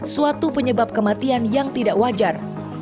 suatu penyebab kematian yang tidak wajar